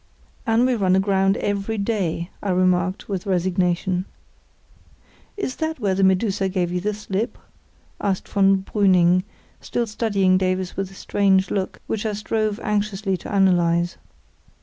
("And we run aground every day," I remarked, with resignation.) "Is that where the Medusa gave you the slip?" asked von Brüning, still studying Davies with a strange look, which I strove anxiously to analyse.